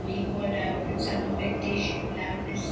he called out, with some affectation of loudness.